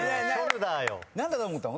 何だと思ったの？